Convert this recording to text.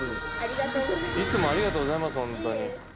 いつもありがとうございますホントに。